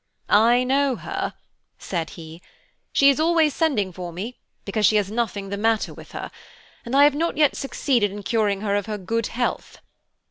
"I know her," he said; "she is always sending for me, because she has nothing the matter with her, and I have not yet succeeded in curing her of her good health.